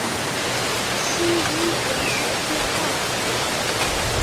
希伊人口变化图示